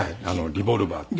リボルバーっていう。